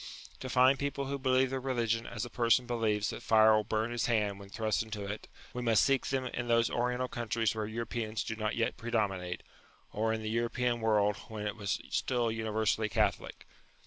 To find people who believe their religion as a person believes that fire will burn his hand when thrust into it, we must seek them in those Oriental countries where Europeans do not yet predominate, or in the European world when it was still universally Catholic.